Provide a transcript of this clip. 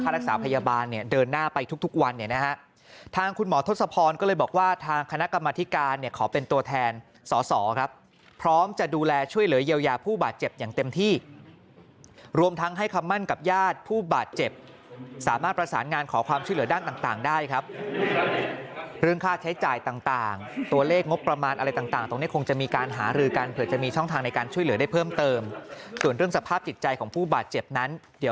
แทนสอสอครับพร้อมจะดูแลช่วยเหลือเยียวยาผู้บาดเจ็บอย่างเต็มที่รวมทั้งให้คำมั่นกับญาติผู้บาดเจ็บสามารถประสานงานขอความช่วยเหลือด้านต่างได้ครับเรื่องค่าใช้จ่ายต่างตัวเลขงบประมาณอะไรต่างตรงนี้คงจะมีการหารือกันเผื่อจะมีช่องทางในการช่วยเหลือได้เพิ่มเติมส่วนเรื่องสภาพจิตใจของผู้บาดเ